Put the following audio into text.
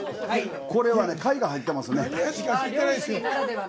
これは貝が入ってますね。